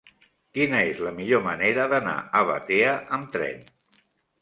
Quina és la millor manera d'anar a Batea amb tren?